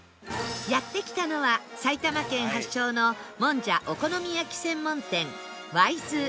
やって来たのは埼玉県発祥のもんじゃお好み焼専門店わいず